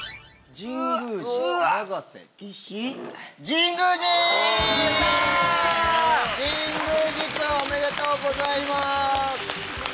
神宮寺君おめでとうございます。